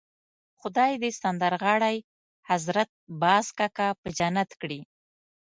خدای دې سندرغاړی حضرت باز کاکا په جنت کړي.